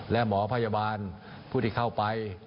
และหมอพยาบาลผู้ที่เข้าไป